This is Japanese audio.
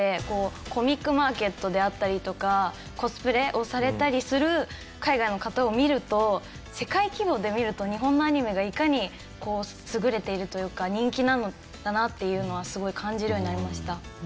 コミックマーケットであったりとかコスプレをされたりする海外の方を見ると世界規模で見ると日本のアニメがいかに優れているというか人気なんだなっていうのはすごい感じるようになりました。